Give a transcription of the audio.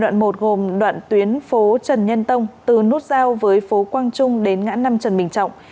đoạn một gồm đoạn tuyến phố trần nhân tông từ nút giao với phố quang trung đến ngã năm trần bình trọng